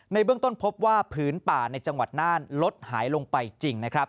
ในเบื้องต้นพบว่าผืนป่าในจังหวัดน่านลดหายลงไปจริงนะครับ